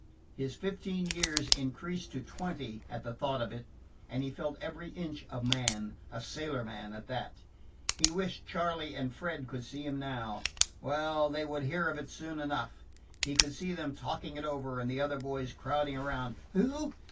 His fifteen years increased to twenty at the thought of it, and he felt every inch a man a sailorman at that. He wished Charley and Fred could see him now. Well, they would hear of it soon enough. He could see them talking it over, and the other boys crowding around. "Who?"